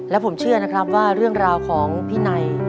และผมเชื่อนะครับว่าเรื่องราวของพี่ไน